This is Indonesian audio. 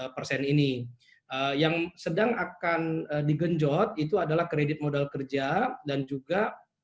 dua puluh dua tujuh puluh empat persen ini yang sedang akan digenjot itu adalah kredit modal kerja dan juga